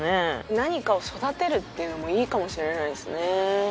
何かを育てるっていうのもいいかもしれないですね。